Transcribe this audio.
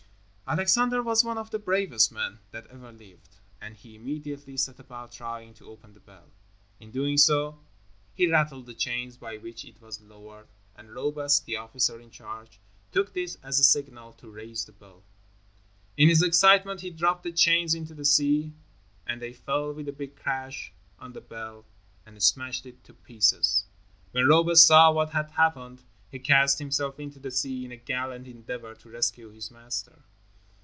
Alexander was one of the bravest men that ever lived, and he immediately set about trying to open the bell. In doing so, he rattled the chains by which it was lowered, and Robus, the officer in charge, took this as a signal to raise the bell. In his excitement he dropped the chains into the sea, and they fell with a big crash on the bell and smashed it to pieces. When Robus saw what had happened, he cast himself into the sea in a gallant endeavor to rescue his master.